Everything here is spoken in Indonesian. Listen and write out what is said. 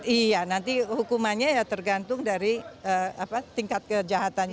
iya nanti hukumannya ya tergantung dari tingkat kejahatannya